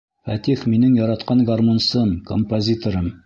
Фәтих минең яратҡан гармунсым, композиторым.